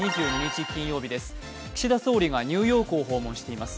岸田総理はニューヨークを訪問しています。